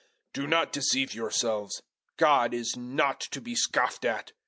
006:007 Do not deceive yourselves. God is not to be scoffed at.